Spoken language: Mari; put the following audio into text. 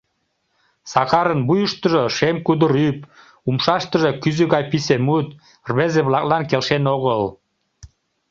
Сакарын вуйыштыжо шем кудыр ӱп, умшаштыже кӱзӧ гае писе мут рвезе-влаклан келшен огыл.